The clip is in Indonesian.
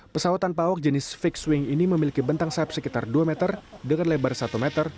pesawat tanpa awak jenis fixed wing ini memiliki bentang sahab sekitar dua meter dengan lebar satu meter